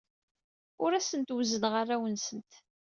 Ur asent-wezzneɣ arraw-nsent.